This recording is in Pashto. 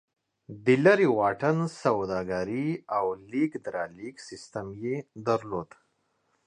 د لېرې واټن سوداګري او لېږد رالېږد سیستم یې درلود